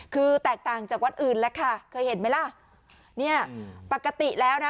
คือแตกต่างจากวัดอื่นแล้วค่ะเคยเห็นไหมล่ะเนี่ยปกติแล้วนะ